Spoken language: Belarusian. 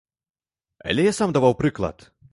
Але я сам даваў прыклад.